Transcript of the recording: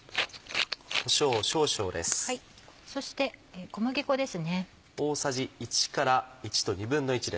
そして小麦粉ですね。